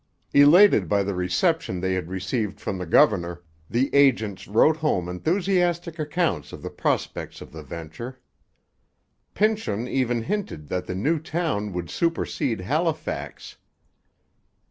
Elated by the reception they had received from the governor, the agents wrote home enthusiastic accounts of the prospects of the venture. Pynchon even hinted that the new town would supersede Halifax.